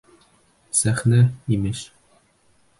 Сәхнә, имеш!